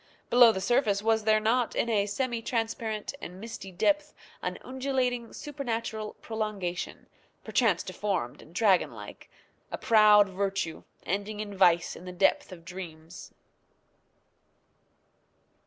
below the surface was there not, in a semi transparent and misty depth, an undulating, supernatural prolongation, perchance deformed and dragon like a proud virtue ending in vice in the depth of dreams.